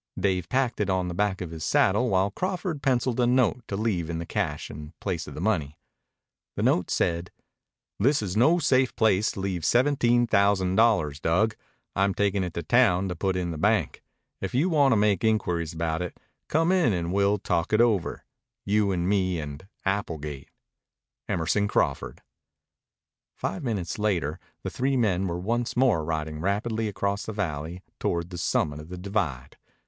Dave packed it on the back of his saddle while Crawford penciled a note to leave in the cache in place of the money. The note said: This is no safe place to leave seventeen thousand dollars, Dug. I'm taking it to town to put in the bank. If you want to make inquiries about it, come in and we'll talk it over, you and me and Applegate. EMERSON CRAWFORD Five minutes later the three men were once more riding rapidly across the valley toward the summit of the divide.